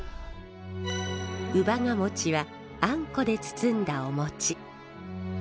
姥ヶ餅はあんこで包んだお餅。